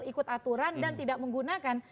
ikut aturan dan tidak menggunakan